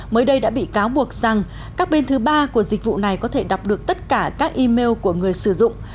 mới đây đã bị cáo buộc rằng các bên thứ ba của dịch vụ này có thể đọc được tất cả các email của người sử dụng